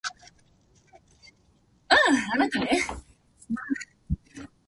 干瓢巻きは美味しい